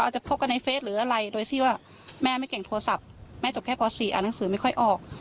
ชีวัตแม่ไม่เก่งโทรศัพท์แม่จบแค่ข่วน๔อ่านหนังสือไม่ค่อยออก